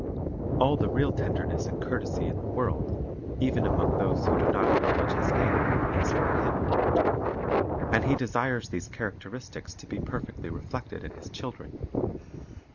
All the real tenderness and courtesy in the world, even among those who do not acknowledge His name, is from Him. And He desires these characteristics to be perfectly reflected in His children.